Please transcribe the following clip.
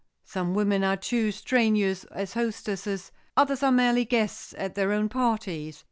Some women are too strenuous as hostesses, others are merely guests at their own parties.